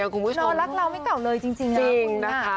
นอนรักเราไม่เก่าเลยจริงนะครับ